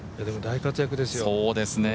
でも大活躍ですよ。